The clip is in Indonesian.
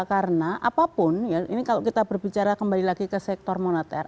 karena apapun ini kalau kita berbicara kembali lagi ke sektor monetar